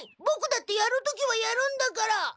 ボクだってやる時はやるんだから！